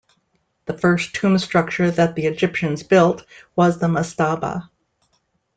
The first tomb structure that the Egyptians built was the mastaba.